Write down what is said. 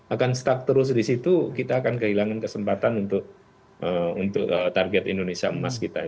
akan stuck terus di situ kita akan kehilangan kesempatan untuk target indonesia emas kita